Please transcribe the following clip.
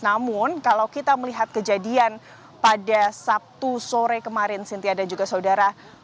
namun kalau kita melihat kejadian pada sabtu sore kemarin sintia dan juga saudara